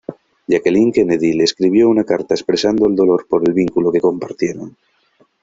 Jacqueline Kennedy le escribió una carta expresando el dolor por el vínculo que compartieron.